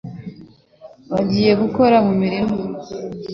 bagiye gukora mu mirima.